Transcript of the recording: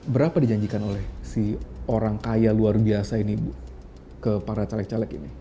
berapa dijanjikan oleh si orang kaya luar biasa ini ke para caleg caleg ini